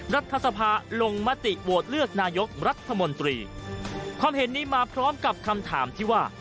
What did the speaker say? รัฐสภาลงมติโหวตเลือกนายกรัฐมนตรีความเห็นนี้มาพร้อมกับคำถามที่ว่า